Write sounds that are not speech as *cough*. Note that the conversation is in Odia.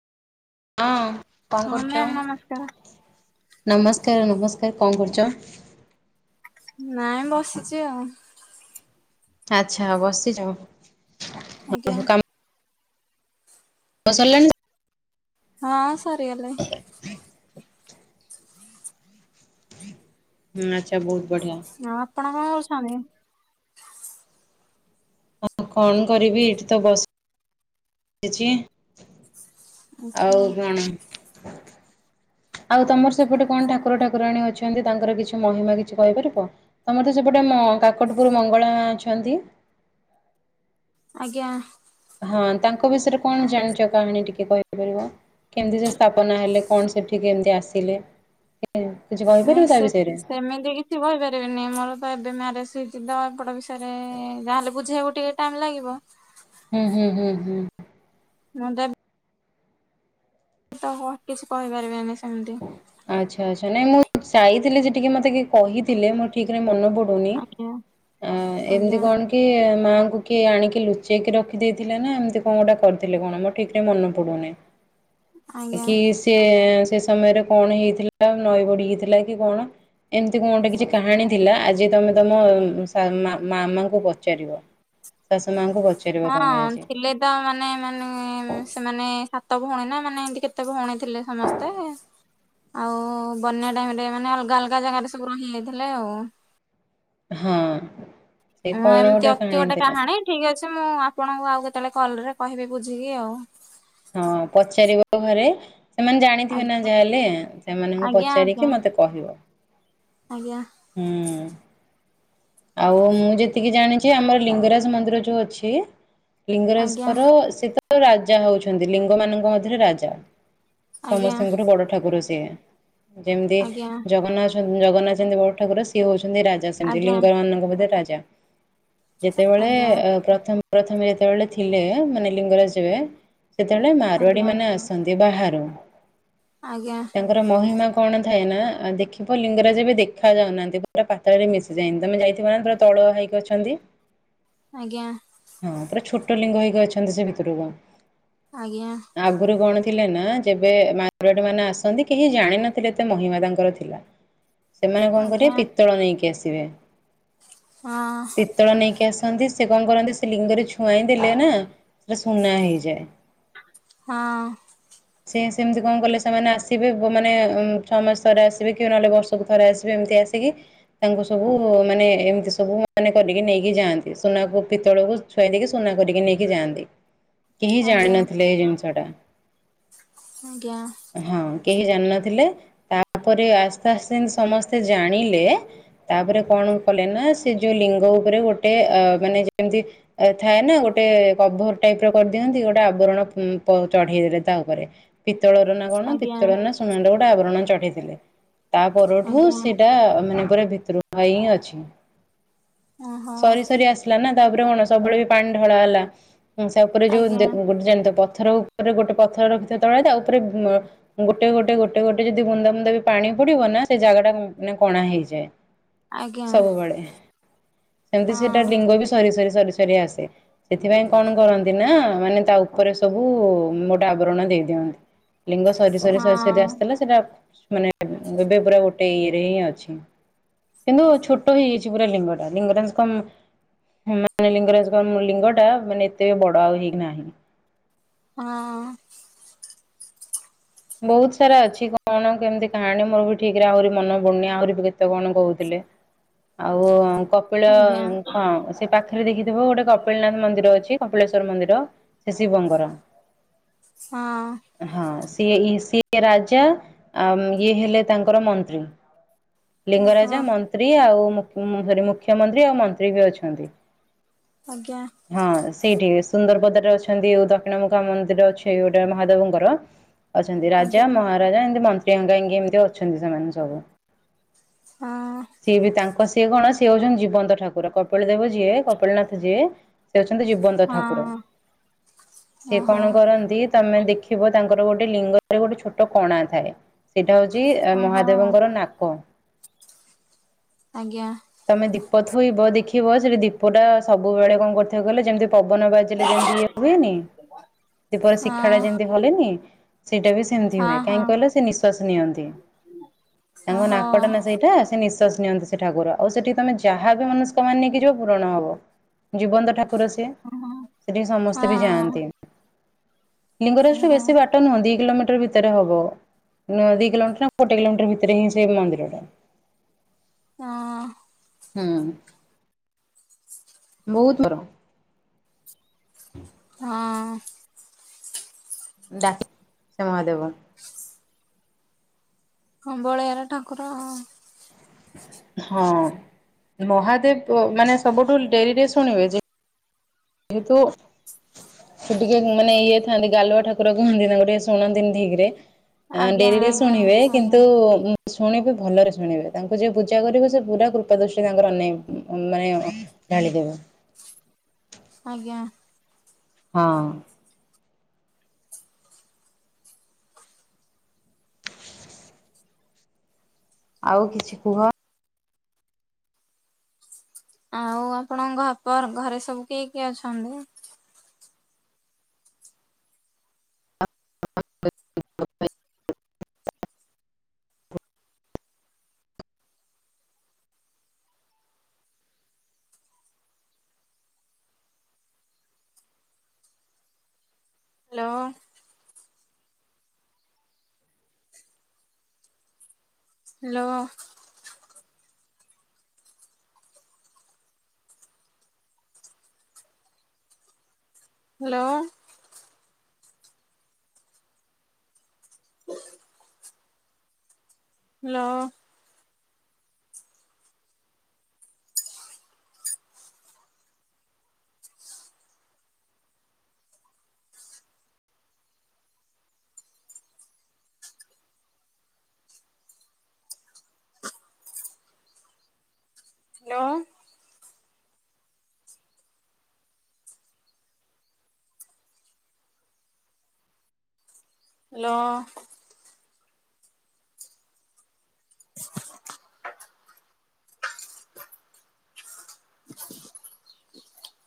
ହଁ କଣ ହଁ କରୁଛ ମ୍ୟାମ୍ ନମସ୍କାର। ନମସ୍କାର ନମସ୍କାର କଣ କରୁଛ? ନାଇଁ ବସିଛି ଆଉ। ଆଚ୍ଛା ବସିଚ ଆଜ୍ଞା ଓହୋ କାମ୍ ମ ସଲାନି। ହଁ ସରିଗଲେ। ହ ହୁଁ ଆଚ୍ଛା ବହୁତ ବଢିଆ। ହଁ ଆପଣ କଣ କରୁଛନ୍ତି? ହ କଣ କରିବି ଏଇଠି ତ ବସ ଚି ଆଚ୍ଛା ଆଉ କଣ? ଆଉ ତମର ସେପଟେ କଣ ଠାକୁର ଠାକୁରାଣୀ ଅଛନ୍ତି ତାଙ୍କର କିଛି ମହିମା କିଛି କହିପାରିବ? ତମର ସେପଟେ ଆମ କାକଟପୁର ମଙ୍ଗଳା ମା ଅଛନ୍ତି। ଆଜ୍ଞା। ହଁ ତାଙ୍କ ବିଷୟରେ କଣ ଜାଣିଛ କାହାଣୀ ଟିକେ କହିପାରିବ? କେମିତି ସେ ସ୍ଥାପନା ହେଲେ କଣ ସେଠି କେମିତି ଆସିଲେ? ଏ କିଛି କ ନାଇଁ ସେ ସେମିତି କି ଛି କହିପାରିବିନି ମୋର ତ ଏବେ ମ୍ୟାରେଜ ହେଇଛି ଦ ଏପଟ ବିଷୟରେ ଯାହାହେଲେ ବୁଝେଇଆକୁ ଟିକେ ଟାଇମ ଲାଗିବ। ହୁଁ ହୁଁ ହୁଁ ହୁଁ। ମୁଁ ତ ତ ବହୁତ କିଛି କହିପାରିବେନି ସେମତି। ଆଚ୍ଛା ଆଚ୍ଛା ନାଇଁ ମୁଁ ଯାଇଥିଲି ଯେ ଟିକେ ମତେ କେହି କହିଥିଲେ ମୋର ଠିକରେ ମନ ପଡୁ ନି ଆଜ୍ଞା ଆ ଏମିତି ଆଜ୍ଞା କଣ କିଏ ମାଆଙ୍କୁ କିଏ ଆଣିକି ଲୁଚେଇକି ରଖିଦେଇଥିଲେ ନା ଏମିତି କଣ ଗୋଟା କରିଥିଲେ କଣ ମୋର ଠିକ୍ ସେ ମନେ ପଡ଼ୁନି। ଆଜ୍ଞା। କି ସେ ସେ ସମୟରେ କଣ ହେଇଥିଲା? ନଈ ବଢ଼ି ହେଇଥିଲା କି କଣ। ଏମିତି କଣ ଗୋଟେ କିଛି କାହାଣୀ ଥିଲା ଆଜି ତମେ ତମ ମାମାଙ୍କୁ ପଚାରିବ। ଚାଷ ମାଆଙ୍କୁ ପଛ ହଁ ଥିଲେ ତ ମାନେ ମାନେ ସେମାନେ ସାତ ଭଉଣୀ ନା ମାନେ ଏମତି କେତେ ଭଉଣୀ ଥିଲେ ସମସ୍ତେ ଆଉ ବନ୍ୟା ଟାଇମ ରେ ମାନେ ଅଲଗା ଅଲଗା ଜାଗାରେ ସବୁ ରହିଯାଇଥିଲେ ଆଉ। ହଁ ସେ ହଁ କଣ ଏମିତି ଅଛି ଗୋଟେ ଥିଲା। କାହାଣୀ ଠିକ୍ ଅଛି। ମୁଁ ଆପଣଙ୍କୁ ଆଉ କେତେବେଳେ କଲ୍ ରେ କହିବି ବୁଝିକି ଆଉ। ହଁ ପଚାରିବ ଘରେ ସେମାନେ ଜାଣ ଆଣିଥିବେ ନା ଆଜ୍ଞା ଯାହାହେଲେ, ସେମାନଙ୍କୁ ଆଜ୍ଞା ପଚାରିକି ମତେ କହିବ। ଆଜ୍ଞା ହୁଁ ଆଉ ମୁଁ ଯେତିକି ଜାଣିଛି ଆମର ଲିଙ୍ଗରାଜ ମନ୍ଦିର ଯୋଉ ଅଛି ଆଜ୍ଞା ଲିଙ୍ଗରାଜପର ସେ ତ ରାଜା ହଉଛନ୍ତି। ଲିଙ୍ଗ ମାନଙ୍କ ମଧ୍ୟରେ ରାଜା। ଆଜ୍ଞା ସମସ୍ତଙ୍କଠୁ ବଡ ଠାକୁର ସିଏ ଯେମିତି ଆଜ୍ଞା ଜଗନ୍ନାଥ ଜଗନ୍ନାଥ ବଡ଼ ଠାକୁର ସିଏ ହଉଛନ୍ତି ରାଜା ସେମିତି, ଆଜ୍ଞା *unintelligible* ରାଜା। ଯେତେବେଳେ ପ୍ରଥମେ ପ୍ରଥମେ ଯେତେବେଳେ ଥିଲେ, ମାନେ ଲିଙ୍ଗରାଜରେ ସେତେବେଳେ ଆଜ୍ଞା ମାରବାଡ଼ି ମାନେ ଆସନ୍ତି ବାହାରୁ। ଆଜ୍ଞା ତାଙ୍କର ମହିମା କଣ ଥାଏ ନା ଦେଖିବ ଲିଙ୍ଗରାଜ ଏବେ ଦେଖାଯାଉନାହାନ୍ତି, ପୁରା ପାତାଳରେ ମିଶି ଯାଇ ତମେ ଯାଇଥିବ ତ ତଳ ନେଇକି ଅଛନ୍ତି। ଆଜ୍ଞା ହଁ ପୁରା ଛୋଟ ଲିଙ୍ଗ ହେଇକି ଅଛନ୍ତି ସେ ଭିତରକୁ। ଆଜ୍ଞା ଆଗରୁ କଣ ଥିଲେ ନା ଯେବେ ମାଗଆଟି ମାନେ ଆସନ୍ତି କେହି ଜାଣିନଥିଲେ ଏତେ ମହିମା ତାଙ୍କର ଥିଲା। ସେମାନେ କଣ କରିବେ ପିତ୍ତଳ ନେଇକି ଆସିବେ। ହଁ ପତଳ ନେଇକି ଆସନ୍ତି। ସେ କଣ କରନ୍ତି ସେ ଲିଙ୍ଗରେ ଛୁଆଁଇ ଦେଲେନା ସେଟା ସୁନା ହେଇଯାଏ। ହଁ ସେ ସେମତି କଣ କଲେ ସେମାନେ ଆସିବେ, ମାନେ ଛଅ ମାସରେ ଆସିବେ କି ନହେଲେ ବ ସବୁ ଥରେ ଆସିବେ ଏମିତି ଆସିକି ତାଙ୍କୁ ସବୁ ମାନେ ଏମିତି ସବୁ ମାନେ କରିକି ନେଇକି ଯାଆନ୍ତି। ସୁନାକୁ ପିତ୍ତଳକୁ ଥିଆଇଦେଇକି ସୁନା କରିକି ନେଇକି ଯାଆନ୍ତି। କେହି ଆଜ୍ଞା ଜାଣିନଥିଲେ ଏ ଜିନିଷଟା। ଆଜ୍ଞା ଆଜ୍ଞା ହଁ କେହି ଜାଣିନଥିଲେ ତାପରେ ଆସ୍ତେ ଆସ୍ତେ ସମସ୍ତେ ଜାଣିଲେ ତାପରେ କଣ କଲେ ନା ସେ ଯୋଉ ଲିଙ୍ଗ ଉପରେ ଗୋଟେ ମାନେ ଯେମିତି ଥାଏ ନା ଗୋଟେ କଭର ଟାଇପ ର କରିଦିଅନ୍ତି ଗୋଟେ ଆବରଣ ଚଢେଇଦଲେ ତା ଉପରେ ପିତ୍ତଳର ନା ହଁ ଆଜ୍ଞା ଆଜ୍ଞା କଣ ଆଜ୍ଞା ପିତ୍ତଳ ନା ସୁନାର ଗୋଟେ ଅଭାରଣ ଚଢ଼େଇ ଦେଲେ। ତା ପରଠୁ ଆଜ୍ଞା ସେଇଟା ମାନେ ପୁରା ଭିତରୁଆ ହିଁ ଅଛି। ଓହୋ ସରି ସରି ଆସିଲା ନା ତାପରେ କଣ ସବୁବେଳେ ବି ପାଣି ଢଳା ହେଲା। ସେ ଉପରେ ଯୋଉ ଆଜ୍ଞା ଗୋଟେ ଜଣି ପଥର ଉପରେ ଗୋଟେ ପଥର ରଖିଥିବା ତଳେ ତା ଉପରେ ଗୋଟେ ଗୋଟେ ଗୋଟେ ଗୋଟେ ଯଦି ବୁନ୍ଦା ବୁନ୍ଦା ବି ପାଣି ପଡିବ ନା ସେ ଜାଗା ଟା ମାନେ କଣା ହେଇଯାଏ। ଆଜ୍ଞା ସବୁବେଳେ ସେମିତି ସେଟା ହଁ ଲିଙ୍ଗ ବି ସରି ସରି ସରି ସରି ଆସେ। ସେଥିପାଇଁ କଣ କରନ୍ତି ନା ମାନେ ତା ଉପରେ ସବୁ ମୋଟା ଆବରଣ ଦେଇଦିଅନ୍ତି। ଲିଙ୍ଗ ସରି ସରି ହଁ ସରି ସରି ଆସିଥିଲା ସେଟା ମାନେ ଏବେ ପୁରା ଗୋଟେ ଇଏରେ ହିଁ ଅଛି। କିନ୍ତୁ ଛୋଟ ହେଇଯାଇଛି ପୁରା ଲିଙ୍ଗ ଟା, ଲିଙ୍ଗରାଜ ଙ୍କ ହଁ ମାନେ ଲିଙ୍ଗରାଜଙ୍କ ଲିଙ୍ଗ ଟା ମାନେ ଏତେ ବଡ ଆଉ ହେଇକି ନାହିଁ। ହଁ। ବହୁତ ସାରା ଅଛି କଣ କେମିତି କାହାଣୀ ମୋର ବି ଠିକ ରେ ଆହୁରି ମନ ପଡ଼ୁନି ଆହୁରି ବି କେତେ କଣ କହୁଥିଲେ। ଆଉ କପିଳା ଆଜ୍ଞା କଣ ସେ ପାଖରେ ଦେଖିଥିବ ଗୋଟେ କପିଳନାଥ ମନ୍ଦିର ଅଛି କପିଳେଶ୍ଵର ମନ୍ଦିର ସେ ଶିବଙ୍କର। ହଁ। ହଁ ସିଏ ଇ- ସିଏ ରାଜା ଆ, ଉଁ, ଇଏ ହେଲେ ତାଙ୍କର ମନ୍ତ୍ରୀ। ଓହୋ ଲିଙ୍ଗରାଜା ମନ୍ତ୍ରୀ ଆଉ ମୁଖ୍ ସରି ମୁଖ୍ୟମନ୍ତ୍ରୀ ଆଉ ମନ୍ତ୍ରୀ ବି ଅଛନ୍ତି। ଆଜ୍ଞା। ହଁ ସେଇଠି ସୁନ୍ଦରବଦା ରେ ଅଛନ୍ତି ଓ ଦକ୍ଷିଣ ମୁଖା ମନ୍ଦିର ଅଛି ଗୋଟେ ମହାଦେବଙ୍କର। ଅଛନ୍ତି ରାଜା ଆଜ୍ଞା ମହାରାଜା ଏମତି ମନ୍ତ୍ରୀ ହେଙ୍କାକି ଏମିତି ଅଛନ୍ତି ସେମାନେ ସବୁ। ହଁ ସିଏ ବି ତାଙ୍କ ସିଏ କଣ ଅଛି ସିଏ ହଉଛନ୍ତି ଜୀବନ୍ତ ଠାକୁର, କପିଳ ଦେବ ଯିଏ କପିଳନାଥ ଯିଏ ସେ ଅଉଛନ୍ତି ଜୀବନ୍ତ ହଁ ଠାକୁର, ସିଏ ଓହୋ କଣ କରନ୍ତି ତୋମେ ଦେଖିବ ତାଙ୍କର ଗୋଟ ସେ ଲିଙ୍ଗରେ ଗୋଟେ ଛୋଟ କଣା ଥାଏ। ସେଇଟା ହଉଛି ଏ ଓହୋ ମହାଦେବଙ୍କର ନାକ। ଆଜ୍ଞା। ତୋମେ ଦୀପ ଥୋଇବ ଦେଖିବ ସେଠି ଦୀପ ଟା ସବୁବେଳେ କଣ କରିଥାଏ କହିଲ ଯେମିତି ପବନ ବାଜିଲେ ଯେମିତି ଇଏ ହୁଏନି ଦୀପ ହଁ ଶିକ୍ଷା ଟା ଯେମିତି ହଲେନି ସେଇଟା ବି ସେମିତି ହଁ ହୁଏ ହଁ କାହିଁକି କହିଲେ ସେ ନିଶ୍ୱାସ ନିଅନ୍ତି ତାଙ୍କ ଓହୋ ନାକଟ ନା ସେଇଟା। ହଁ ସେ ନିଶ୍ଵାସ ନିଅନ୍ତି ସେ ଠାକୁର ଆଉ ସେଠି ତୋମେ ଯାହା ବି ମନସ୍କାମନା ନେଇକି ଯିବ ପୂରଣ ହବ। ଜୀବନ୍ତ ଠାକୁର ସିଏ ଓହୋ ସେଠିକି ସମସ୍ତେ ବି ହଁ ଯାଆନ୍ତି। ଲିଙ୍ଗରାଜଠୁ ଓହୋ ବେଶୀ ବାଟ ନୁହନ୍ତି। କିଲୋମିଟର ଭିତରେ ହବ, ନ ଦି କିଲୋମିଟର, ଗୋଟେ କିଲୋମିଟର ଭିତରେ ହିଁ ସେ ମନ୍ଦିର ଟା। ହଁ। ହୁଁ, ବହୁତ ଥର। ହଁ। ଡା ସେ ମହାଦେବ। ହଁ ବଳିଆର ଠାକୁର। ହଁ ମହାଦେବ ପ- ମାନେ ସବୁଠୁ ଡେରିରେ ଶୁଣିବେ ଯେ ହେତୁ ସେ ଟିକେ ମାନେ ଇଏ ଥାନ୍ତି ଗାଲୁଆ ଠାକୁର କୁହନ୍ତି ତାଙ୍କୁ ଟିକେ ଶୁଣନ୍ତିନି ଠିକ୍ ରେ। ଅ, ଆଜ୍ଞା ଡେରିରେ ଆଜ୍ଞା ଶୁଣିବେ ଆଜ୍ଞା କିନ୍ତୁ ଉଁ, ଶୁଣିବେ ଭଲରେ ଶୁଣିବେ ତାଙ୍କୁ ଯିଏ ପୂଜା କରିବ ସେ ପୁରା କୃପା ଦୃଷ୍ଟି ତାଙ୍କର ଅନେ ମାନେ ଢାଳି ଦବ। ଆଜ୍ଞା। ହଁ। ଆଉ କିଛି କୁହ ଆଉ ଆପଣଙ୍କ ଘ- *unintelligible* ଘରେ ସବୁ କିଏ କିଏ ଅଛନ୍ତି? *inaudible* Hello. Hello. Hello. Hello. Hello. Hello.